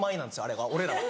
あれが俺らは。